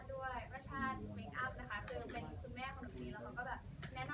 แต่ว่ามันจะเกิดขึ้นไม่ได้ถ้าไม่ได้มีการช่วยเหลือจากหลายคน